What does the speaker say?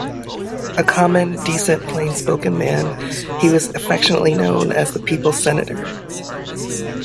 A common, decent, plain spoken man," he was affectionately known as "the people's Senator.